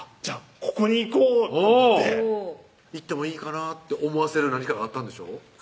ここに行こうと思って行ってもいいかなって思わせる何かがあったんでしょ？